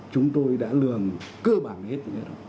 chúng tôi đã lường cơ bản hết